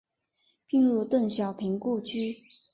并入邓小平故居。